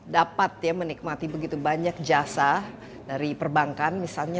dapat ya menikmati begitu banyak jasa dari perbankan misalnya